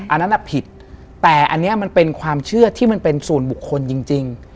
อันนั้นผิดแต่อันนี้มันเป็นความเชื่อที่มันเป็นส่วนบุคคลจริง